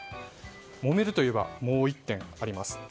もめるといえばもう１点あります。